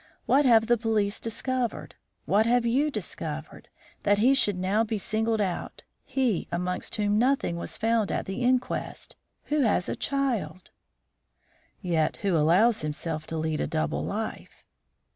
What have the police discovered, what have you discovered, that he should now be singled out he against whom nothing was found at the inquest who has a child " "Yet who allows himself to lead a double life."